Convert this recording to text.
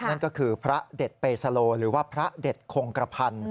นั่นก็คือพระเด็ดเปสโลหรือว่าพระเด็ดคงกระพันธ์